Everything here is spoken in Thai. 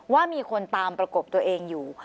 ว่ามีคนตามประกบตัวเองอยู่